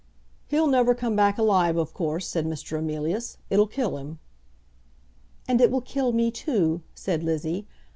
"He'll never come back alive, of course," said Mr. Emilius. "It'll kill him." "And it will kill me too," said Lizzie.